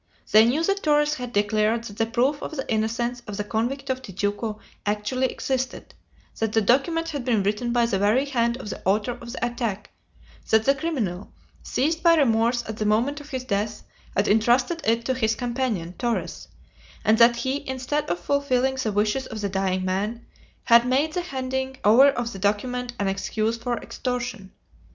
They knew that Torres had declared that the proof of the innocence of the convict of Tijuco actually existed; that the document had been written by the very hand of the author of the attack; that the criminal, seized by remorse at the moment of his death, had intrusted it to his companion, Torres; and that he, instead of fulfilling the wishes of the dying man, had made the handing over of the document an excuse for extortion.